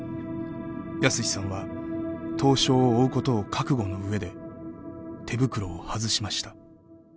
泰史さんは凍傷を負うことを覚悟の上で手袋を外しました。